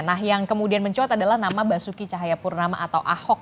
nah yang kemudian mencuat adalah nama basuki cahayapurnama atau ahok